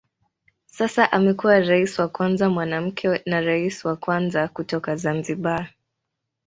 Sasa amekuwa rais wa kwanza mwanamke na rais wa kwanza kutoka Zanzibar.